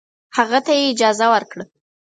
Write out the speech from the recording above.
هغه ته یې اجازه ورکړه.